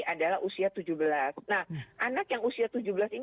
adalah usia tujuh belas nah anak yang usia tujuh belas ini